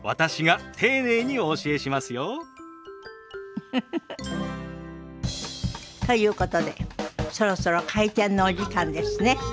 ウフフフ。ということでそろそろ開店のお時間ですね。